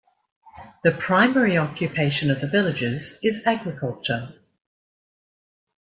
The primary occupation of the villagers is Agriculture.